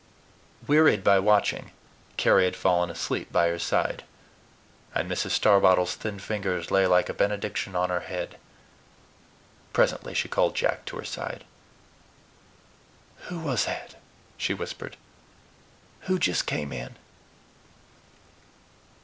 Wearied by watching, Carry had fallen asleep by her side; and Mrs. Starbottle's thin fingers lay like a benediction on her head. Presently she called Jack to her side. "Who was that," she whispered, "who just came in?"